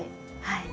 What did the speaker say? はい。